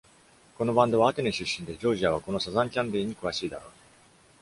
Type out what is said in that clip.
このバンドはアテネ出身で、ジョージアはこのサザンキャンディに詳しいだろう。